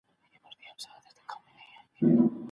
د اسلامي حکومت قوانين او احکام پلي کړئ.